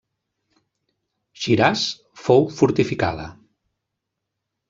Shiraz fou fortificada.